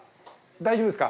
大丈夫ですか？